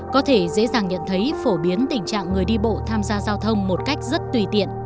có thể dễ dàng nhận thấy phổ biến tình trạng người đi bộ tham gia giao thông một cách rất tùy tiện